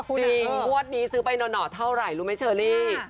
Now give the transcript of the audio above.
คุณแหละครับจริงว่านี้ซื้อไปหนอเท่าไหร่รู้ไหมเชอรี่